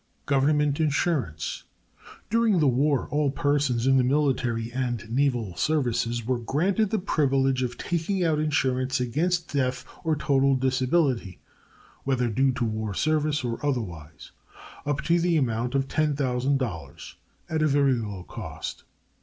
Government Insurance. During the war all persons in the military and naval services were granted the privilege of taking out insurance against death or total disability (whether due to war service or otherwise) up to the amount of $10,000, at a very low cost.